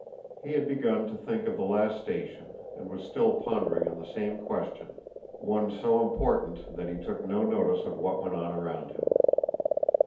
He had begun to think of the last station and was still pondering on the same question—one so important that he took no notice of what went on around him.